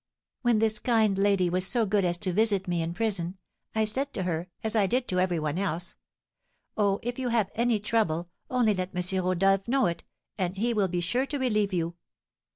"When this kind lady was so good as to visit me in prison, I said to her, as I did to every one else, 'Oh, if you have any trouble, only let M. Rodolph know it, and he will be sure to relieve you.'